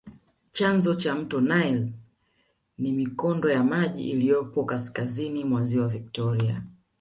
Chanzo cha mto nile ni mikondo ya maji iliyopo kaskazini mwa ziwa Victoria